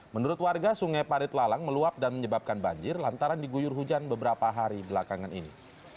menurut warga sungai parit lalang meluap dan menyebabkan banjir lantaran diguyur hujan beberapa hari belakangan ini